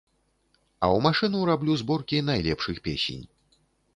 А ў машыну раблю зборкі найлепшых песень.